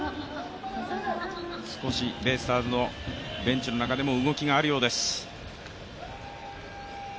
少しベイスターズのベンチの中でも動きがあるようです。